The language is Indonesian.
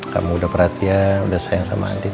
kamu udah perhatian udah sayang sama adik